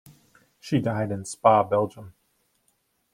She died in Spa, Belgium.